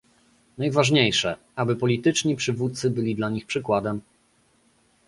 Najważniejsze, aby polityczni przywódcy byli dla nich przykładem